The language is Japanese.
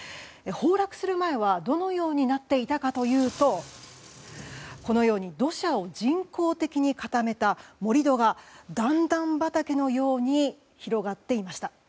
崩落する前は、どのようになっていたのかというとこのように土砂を人工的に固めた盛り土が段々畑のように広がっていました。